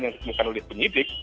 yang bukan ulit penyidik